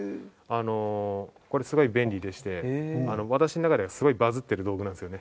これすごい便利でして私の中ではすごいバズってる道具なんですよね。